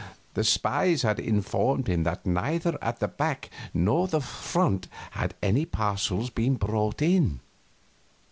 The spies had informed him that neither at the back nor the front had any parcels been brought in.